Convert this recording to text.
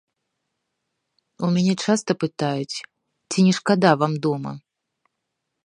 У мяне часта пытаюць, ці не шкада вам дома?